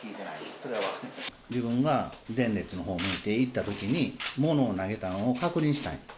自分が前列のほうに向いていたときに、物を投げたのを確認したんや。